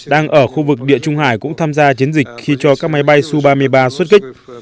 đang ở khu vực địa trung hải cũng tham gia chiến dịch khi cho các máy bay su ba mươi ba xuất kích